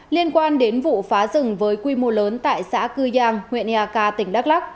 liên quan đến vụ phá rừng với quy mô lớn tại xã cư giang huyện eak tỉnh đắk lắc